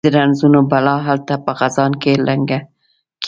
د رنځونو بلا هلته په خزان کې لنګه کیږي